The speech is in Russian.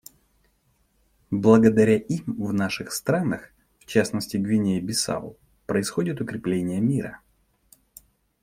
Благодаря им в наших странах, в частности в Гвинее-Бисау, происходит укрепление мира.